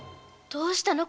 どうしたの！？